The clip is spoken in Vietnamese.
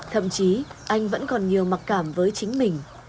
thậm chí anh vẫn còn nhiều mặc cảm với chính mình